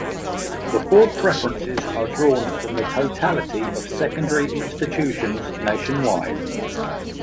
The four preferences are drawn from the totality of secondary institutions nationwide.